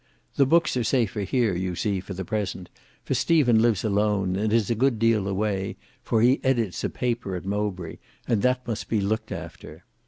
The books are safer here you see for the present, for Stephen lives alone, and is a good deal away, for he edits a paper at Mowbray, and that must be looked after.